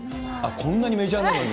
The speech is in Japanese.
こんなにメジャーなのに？